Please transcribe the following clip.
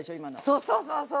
そうそうそうそう。